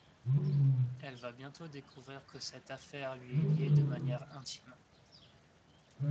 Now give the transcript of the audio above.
Elle va bientôt découvrir que cette affaire lui est liée de manière intime…